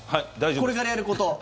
これからやること。